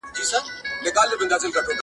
په پښتو کي د مینې او محبت پیغام نغښتی دی